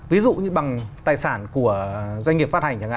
ví dụ như bằng tài sản của doanh nghiệp phát hành